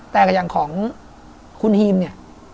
แต่กับอย่างของคุณฮีมเนี่ย